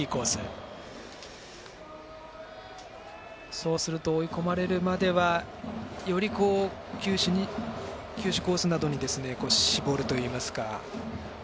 そうすると追い込まれるまではより球種、コースなどに絞るといいますか。